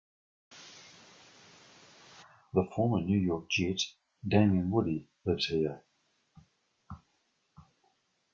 The former New York Jet, Damien Woody, lives here.